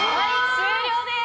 終了です！